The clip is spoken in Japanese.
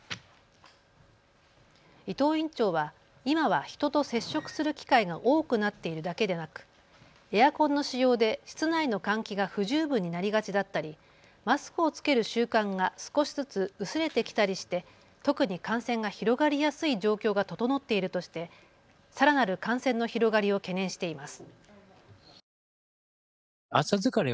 伊藤院長は今は人と接触する機会が多くなっているだけでなくエアコンの使用で室内の換気が不十分になりがちだったりマスクを着ける習慣が少しずつ薄れてきたりして特に感染が広がりやすい状況が整っているとしてさらなる感染の広がりを懸念しています。